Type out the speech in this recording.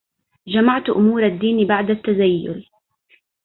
جمعت أمور الدين بعد تزيل